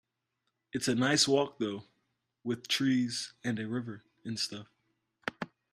It's a nice walk though, with trees and a river and stuff.